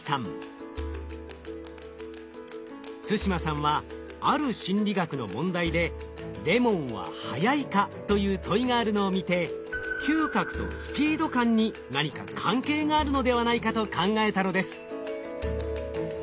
對馬さんはある心理学の問題で「レモンは速いか」という問いがあるのを見て嗅覚とスピード感に何か関係があるのではないかと考えたのです。